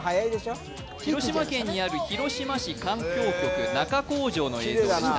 広島県にある広島市観光局中工場の映像です。